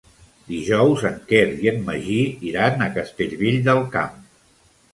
Dijous en Quer i en Magí iran a Castellvell del Camp.